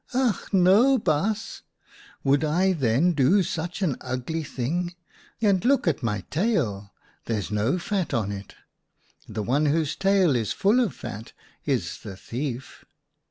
"' Ach no, Baas ! Would I then do such an ugly thing ? And look at my tail. There's no fat on it. The one whose tail is full of fat is the thief.'